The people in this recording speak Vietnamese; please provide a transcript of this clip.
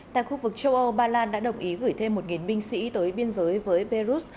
tại khu vực châu âu ba lan đã đồng ý gửi thêm một binh sĩ tới biên giới với beirut